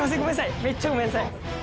めっちゃごめんなさい！